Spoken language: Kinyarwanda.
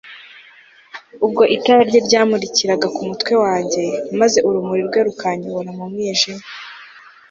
ubwo itara rye ryamurikiraga ku mutwe wanjye, maze urumuri rwe rukanyobora mu mwijima